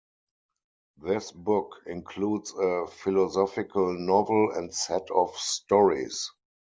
This book includes a philosophical novel and set of stories.